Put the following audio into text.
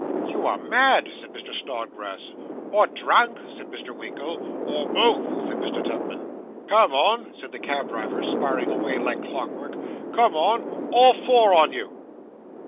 'You are mad,' said Mr. Snodgrass. 'Or drunk,' said Mr. Winkle. 'Or both,' said Mr. Tupman. 'Come on!' said the cab driver, sparring away like clockwork. 'Come on all four on you.